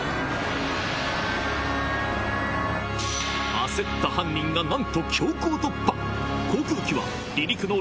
焦った犯人がなんと強行突破